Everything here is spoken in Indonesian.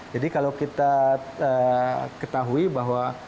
jadi kalau kita ketahui bahwa